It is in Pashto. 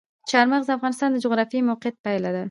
چار مغز د افغانستان د جغرافیایي موقیعت پایله ده.